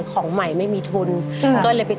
ก็เลยหยุดขายไป